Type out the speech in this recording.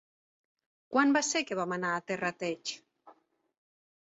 Quan va ser que vam anar a Terrateig?